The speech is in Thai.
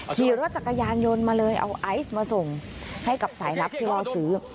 ขี่รถจักรยานยนต์มาเลยเอาไอซ์มาส่งให้กับสายลับที่ว่าซื้อ